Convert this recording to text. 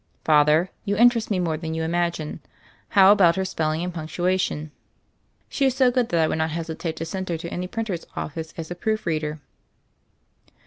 "Father, you interest me more than you imagine. How about her spelling and punctua tion?" "She is so good that I would not hesitate to THE FAIRY OF THE SNOWS 205 send her to any printer's office as a proof reader."